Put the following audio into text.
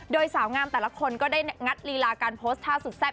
โดยสาวงามแต่ละคนก็ได้งัดลีลาการโพสต์ท่าสุดแซ่บ